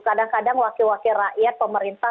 kadang kadang wakil wakil rakyat pemerintah